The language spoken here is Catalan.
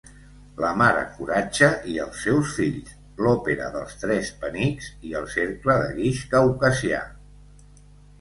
La mare coratge i els seus fills, L'òpera dels tres penics i El cercle de guix caucasià.